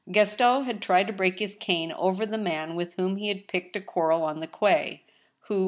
• Gaston had tried to break his cane over the man with whom he picked a quarrel on the quay, who.